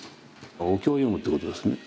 お経を読むってことですね。